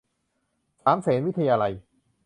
สามเสนวิทยาลัย